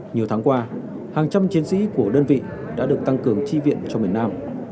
nhiều tháng qua hàng trăm chiến sĩ của đơn vị đã được tăng cường chi viện cho miền nam